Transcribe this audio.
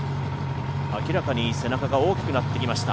明らかに背中が大きくなってきました。